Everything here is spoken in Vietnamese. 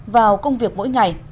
vào công việc mỗi ngày